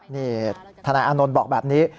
นี่ทนายอานนท์บอกแบบนี้